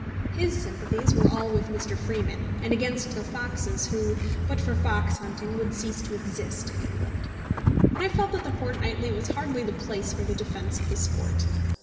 His sympathies were all with Mr. Freeman, and against the foxes, who, but for fox hunting, would cease to exist in England. And I felt that The Fortnightly was hardly the place for the defence of the sport.